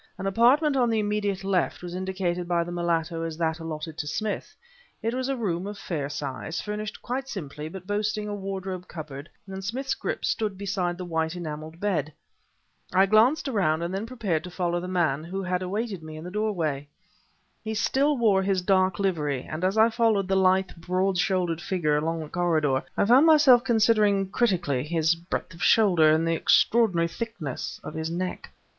An apartment on the immediate left was indicated by the mulatto as that allotted to Smith. It was a room of fair size, furnished quite simply but boasting a wardrobe cupboard, and Smith's grip stood beside the white enameled bed. I glanced around, and then prepared to follow the man, who had awaited me in the doorway. He still wore his dark livery, and as I followed the lithe, broad shouldered figure along the corridor, I found myself considering critically his breadth of shoulder and the extraordinary thickness of his neck.